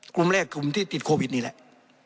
กลุ่มแรกกลุ่มที่ติดโควิดนี่แหละ